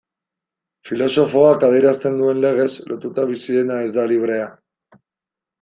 Filosofoak adierazten duen legez, lotuta bizi dena ez da librea.